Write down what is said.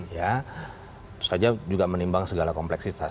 ya tentu saja juga menimbang segala kompleksitas